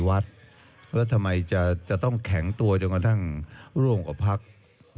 แล้วทำไมจะต้องแข็งตัวจนกระทั่งร่วมกับพัก